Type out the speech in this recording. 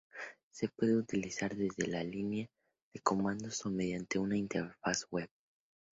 Se puede utilizar desde la línea de comandos o mediante una interfaz web.